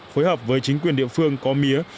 phối hợp với chính quyền địa phương có mía